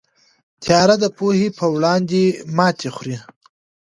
تیاره د پوهې په وړاندې ماتې خوري.